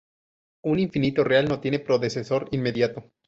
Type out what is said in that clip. Un infinito real no tiene predecesor inmediato.